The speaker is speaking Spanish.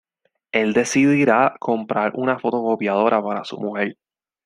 Él decidirá comprar una fotocopiadora para su mujer.